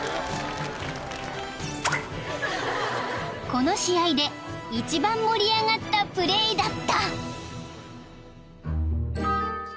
［この試合で一番盛り上がったプレーだった］